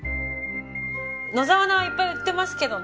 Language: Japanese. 野沢菜はいっぱい売ってますけどね